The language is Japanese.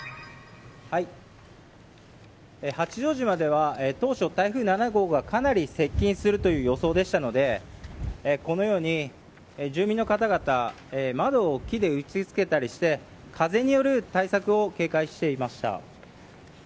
八丈島では当初台風７号がかなり接近するという予想でしたのでこのように、住民の方々窓を木で打ち付けたりして風による対策を警戒していました。